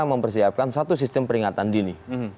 mempersiapkan satu sistem peringatan dini